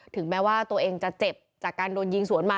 ถึงแม้ว่าตัวเองจะเจ็บจากการโดนยิงสวนมา